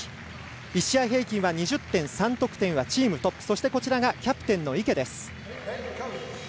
１試合平均２０．３得点はチームトップそしてキャプテンの池です。